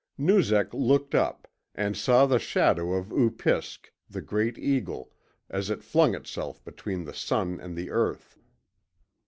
Noozak looked up, and saw the shadow of Upisk, the great eagle, as it flung itself between the sun and the earth.